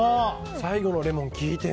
最後のレモン効いてる！